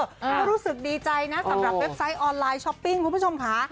ก็รู้สึกดีใจนะสำหรับเว็บไซต์ออนไลน์ช้อปปิ้งคุณผู้ชมค่ะ